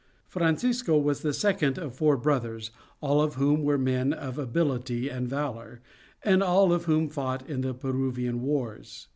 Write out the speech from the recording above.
Francisco was the second of four brothers, all of whom were men of ability and valor, and all of whom fought in the Peruvian wars.